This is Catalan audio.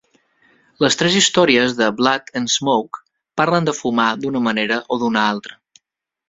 Les tres històries de "Blood and Smoke" parlen de fumar d'una manera o d'una altra.